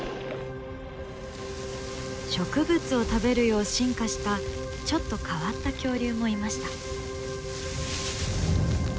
植物を食べるよう進化したちょっと変わった恐竜もいました。